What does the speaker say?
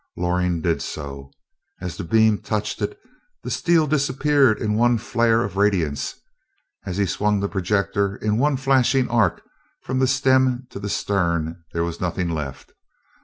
Loring did so. As the beam touched it, the steel disappeared in one flare of radiance as he swung the projector in one flashing arc from the stem to the stern there was nothing left.